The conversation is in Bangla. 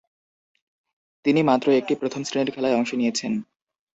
তিনি মাত্র একটি প্রথম-শ্রেণীর খেলায় অংশ নিয়েছেন।